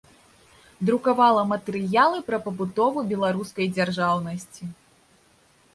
Друкавала матэрыялы пра пабудову беларускай дзяржаўнасці.